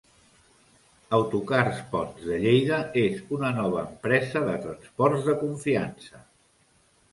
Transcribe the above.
Autocars Pons de Lleida és una nova empresa de transports de confiança.